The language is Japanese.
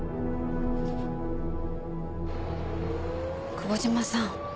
久保島さん